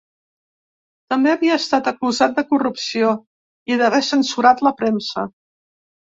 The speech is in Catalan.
També havia estat acusat de corrupció i d’haver censurat la premsa.